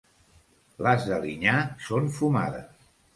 Les d'Alinyà són fumades.